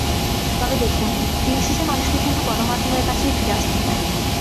তবে দেখুন, দিন শেষে মানুষকে কিন্তু গণমাধ্যমের কাছেই ফিরে আসতে হয়।